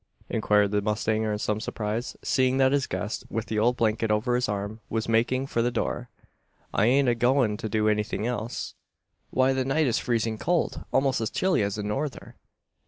inquired the mustanger in some surprise seeing that his guest, with the old blanket over his arm, was making for the door. "I ain't agoin' to do anythin' else." "Why, the night is freezing cold almost as chilly as a norther!"